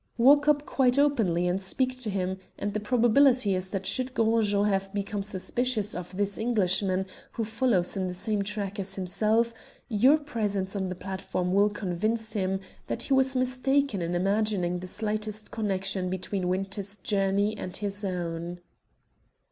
Walk up quite openly and speak to him, and the probability is that should Gros Jean have become suspicious of this Englishman who follows in the same track as himself, your presence on the platform will convince him that he was mistaken in imagining the slightest connection between Winter's journey and his own."